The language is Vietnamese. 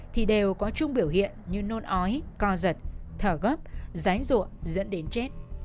thì đều có chung biểu hiện như nôn ói co giật thở gấp ránh ruộng dẫn đến chết